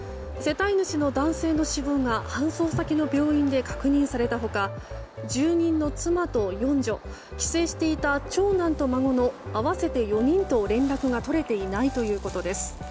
世帯主の男性の死亡が搬送先の病院で確認された他住人の妻と四女帰省していた長男と孫の合わせて４人と連絡が取れていないということです。